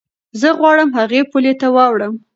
زه غواړم هغې پولې ته واوړم.